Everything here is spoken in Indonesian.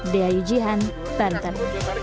daya ujian banten